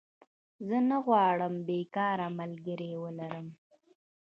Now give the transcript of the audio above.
زه نه غواړم بيکاره ملګری ولرم